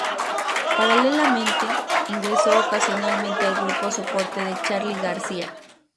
Paralelamente, ingresó ocasionalmente al grupo soporte de Charly García.